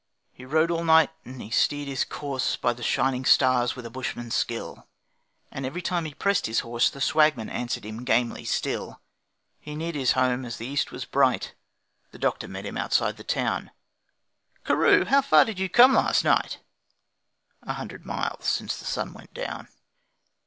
He rode all night and he steered his course By the shining stars with a bushman's skill, And every time that he pressed his horse The Swagman answered him gamely still. He neared his home as the east was bright, The doctor met him outside the town: 'Carew! How far did you come last night?' 'A hundred miles since the sun went down.'